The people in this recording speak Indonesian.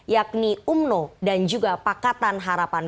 yakni umno dan juga pakatan harapan